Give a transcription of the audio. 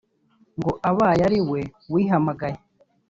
ngo abaye ariwe wihamagaye